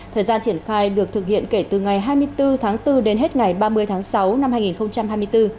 thời gian triển khai được thực hiện kể từ ngày hai mươi bốn tháng bốn đến hết ngày ba mươi tháng sáu năm hai nghìn hai mươi bốn